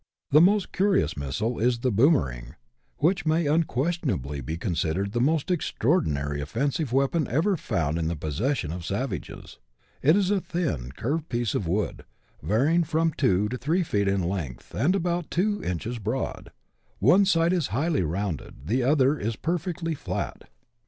The most curious missile is the boomering, which may unques tionably be considered the most extraordinary offensive weapon ever found in the possession of savages. It is a thin curved piece of wood, varying from two to three feet in length, and about two inches broad ; one side is slightly rounded, the other is perfectly flat.